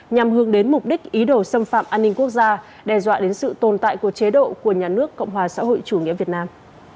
nhằm hướng đến mục đích ý đồ xâm phạm an ninh quốc gia đe dọa đến sự tồn tại của chế độ của nhà nước cộng hòa xã hội chủ nghĩa việt nam